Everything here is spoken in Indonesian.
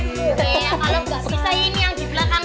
mbak gita badannya cipoleg